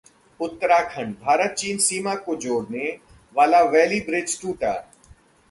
उत्तराखंड: भारत-चीन सीमा को जोड़ने वाला वैली ब्रिज टूटा